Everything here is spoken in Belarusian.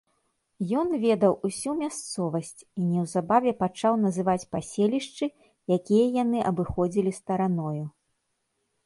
Ён ведаў усю мясцовасць і неўзабаве пачаў называць паселішчы, якія яны абыходзілі стараною.